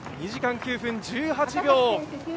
２時間９分１８秒。